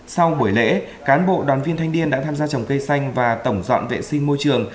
sau buổi lễ cán bộ đoàn viên thanh niên đã tham gia trồng cây xanh và tổng dọn vệ sinh môi trường